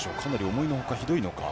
思いのほかひどいのか。